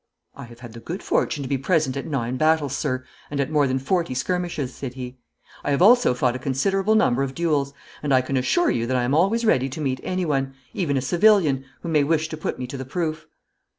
'I have had the good fortune to be present at nine battles, sir, and at more than forty skirmishes,' said he. 'I have also fought a considerable number of duels, and I can assure you that I am always ready to meet anyone even a civilian who may wish to put me to the proof.'